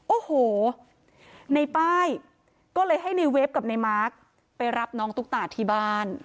โอ้โหในป้ายก็เลยให้ในเวฟกับในมาร์คไปรับน้องตุ๊กตาที่บ้าน